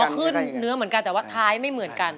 ขึ้นเนื้อเหมือนกันแต่ว่าท้ายไม่เหมือนกัน